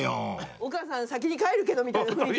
お母さん先に帰るけどみたいな雰囲気。